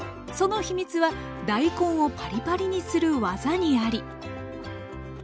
その秘密は大根をパリパリにする技にあり！